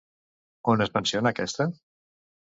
On es menciona aquesta?